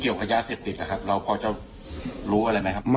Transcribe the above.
แล้วพ่อเจ้ารู้อะไรไหมครับ